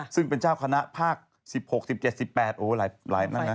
ซึ่งเป็นเจ้าคณะภาค๑๖๑๗๑๘หลายนั้น